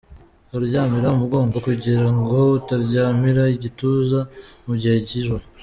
Kuryamira umugongo kugira ngo utaryamira igituza mu gihe cy’ijoro.